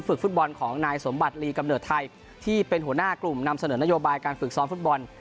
ฟุตบอลของนายสมบัติลีกำเนิดไทยที่เป็นหัวหน้ากลุ่มนำเสนอนโยบายการฝึกซ้อมฟุตบอล